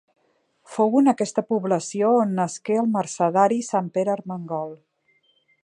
Fou en aquesta població on nasqué el mercedari sant Pere Ermengol.